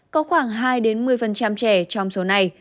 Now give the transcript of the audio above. có khoảng hai một mươi trẻ trong số này